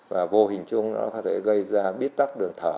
và vô hình chung nó có thể gây ra bít tắc đường thở